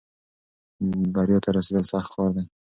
بریا ته رسېدل سخت کار دی.